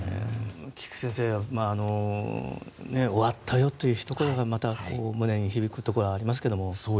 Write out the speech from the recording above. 菊地先生終わったよというひと言が胸に響くところがありますけども。